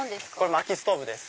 まきストーブです。